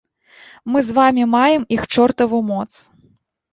Мы з вамі маем іх чортаву моц.